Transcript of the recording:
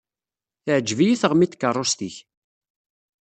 Teɛǧeb-iyi teɣmi n tkeṛṛust-ik.